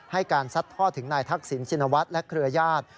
การซัดทอดถึงนายทักษิณชินวัฒน์และเครือญาติ